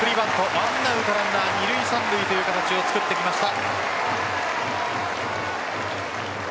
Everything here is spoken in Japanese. １アウトランナー二塁・三塁という形を作ってきました。